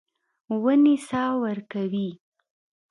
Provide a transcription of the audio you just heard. ونې سا ورکوي.